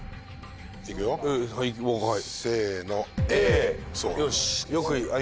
はい。